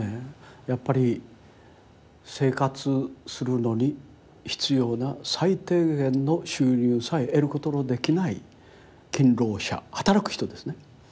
やっぱり生活するのに必要な最低限の収入さえ得ることのできない勤労者働く人ですね。